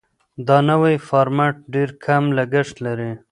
دا نوی فارمټ ډېر کم لګښت لري.